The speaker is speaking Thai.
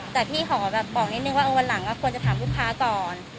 แต่พี่ขอแบบบอกนิดนึงว่าวันหลังควรจะถามลูกค้าก่อน